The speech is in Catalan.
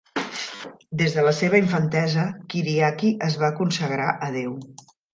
Des de la seva infantesa, Kyriaki es va consagrar a Déu.